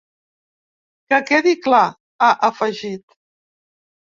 Que quedi clar, ha afegit.